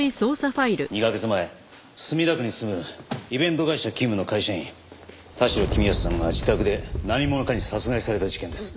２カ月前墨田区に住むイベント会社勤務の会社員田代公康さんが自宅で何者かに殺害された事件です。